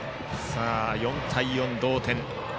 ４対４、同点。